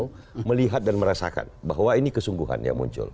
saya lihat dan merasakan bahwa ini kesungguhan yang muncul